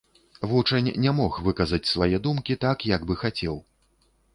Вучань не мог выказаць свае думкі так, як бы хацеў.